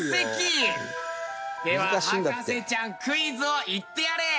では博士ちゃんクイズを言ってやれ！